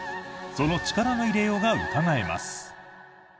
その力の入れようがうかがえます。